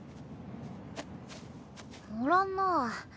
おらんなぁ。